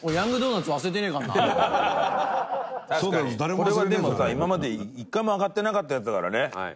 これは、でもさ、今まで一回も挙がってなかったやつだからね。